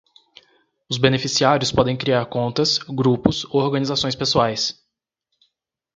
Os beneficiários podem criar contas, grupos ou organizações pessoais.